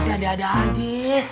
tidak ada ada aja